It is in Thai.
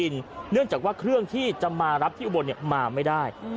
เนื่องจากว่าเครื่องที่จะมารับที่อุบลมาไม่ได้